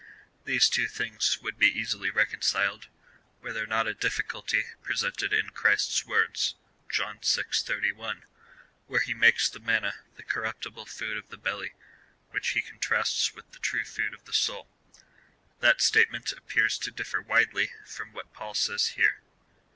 These two things would be easily reconciled, Avere there not a difficulty presented in Christ's words, (John vi. 81,) where he makes the manna the corruj^tible food of the belly, which he contrasts with the true food of the soul. That statement appears to differ widely from what Paul says here.